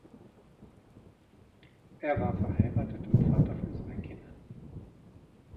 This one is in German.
Er war verheiratet und Vater von zwei Kindern.